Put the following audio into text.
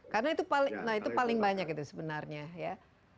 karena itu paling banyak itu sebenarnya